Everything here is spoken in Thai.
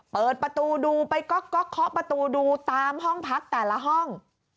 เปิดประตูดูไปก๊อกก๊อกก๊อกประตูดูตามห้องพักแต่ละห้อง